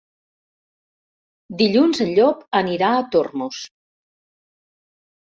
Dilluns en Llop anirà a Tormos.